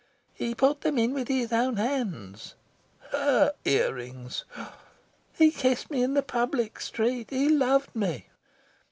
"He put them in with his own hands." HER ear rings! "He kissed me in the public street. He loved me"...